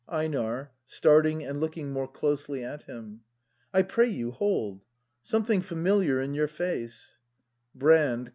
EiNAR. [Starting and looking more closely at him.] I pray you, hold! Something familiar in your face Brand.